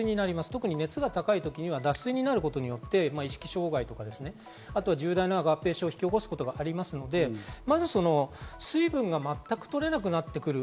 特に熱が高い時には脱水になることによって意識障害や重大な合併症を引き起こすことがありますのでまず水分が全く取れなくなってくる。